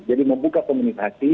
jadi membuka komunikasi